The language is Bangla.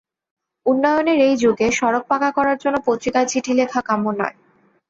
উন্নয়নের এই যুগে সড়ক পাকা করার জন্য পত্রিকায় চিঠি লেখা কাম্য নয়।